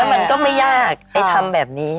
แล้วมันก็ไม่ยากทำแบบนี้